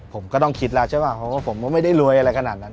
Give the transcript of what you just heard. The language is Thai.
ผมก็ต้องคิดแล้วใช่ป่ะเพราะว่าผมก็ไม่ได้รวยอะไรขนาดนั้น